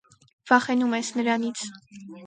վախենում ես նրանից: